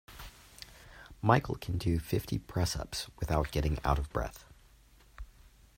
Michael can do fifty press-ups without getting out of breath